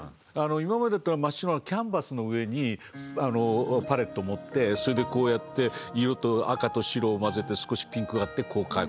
今までってのは真っ白なキャンバスの上にパレット持ってそれでこうやって赤と白を混ぜて少しピンクがあってこう描く。